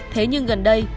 thế nhưng gần đây